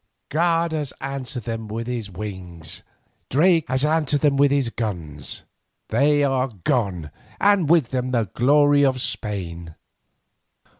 God has answered them with his winds, Drake has answered them with his guns. They are gone, and with them the glory of Spain.